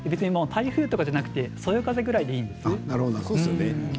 台風とかじゃなくてそよ風ぐらいでいいですよ。